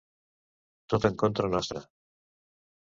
Tot en contra nostra!